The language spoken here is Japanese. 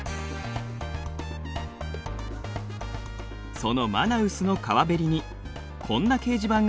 そのマナウスの川べりにこんな掲示板があります。